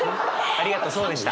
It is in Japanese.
ありがとうそうでした。